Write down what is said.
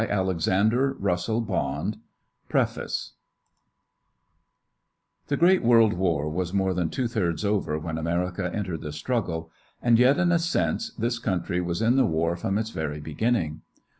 Published, June, 1919 PREFACE The great World War was more than two thirds over when America entered the struggle, and yet in a sense this country was in the war from its very beginning.